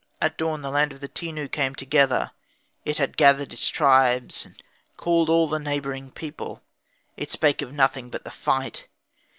At dawn the land of the Tenu came together; it had gathered its tribes and called all the neighbouring people, it spake of nothing but the fight.